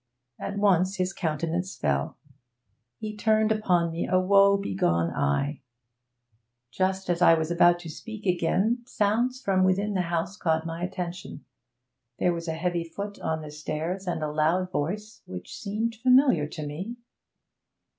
At once his countenance fell; he turned upon me a woebegone eye. Just as I was about to speak again sounds from within the house caught my attention; there was a heavy foot on the stairs, and a loud voice, which seemed familiar to me.